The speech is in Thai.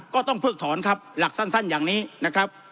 ต้องเพิกถอนครับหลักสั้นอย่างนี้นะครับ